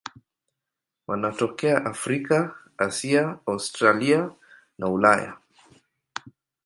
Wanatokea Afrika, Asia, Australia na Ulaya.